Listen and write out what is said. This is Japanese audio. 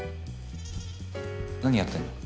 何やってんの？